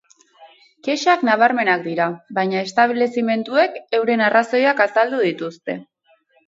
Kexak nabarmenak dira, baina establezimenduek euren arrazoiak azaldu dituzte.